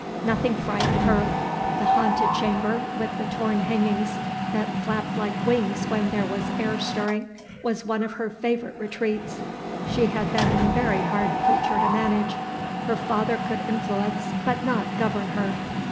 Nothing frightened her; the "haunted" chamber, with the torn hangings that flapped like wings when there was air stirring, was one of her favorite retreats. She had been a very hard creature to manage. Her father could influence, but not govern her.